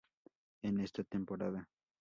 En esta temporada.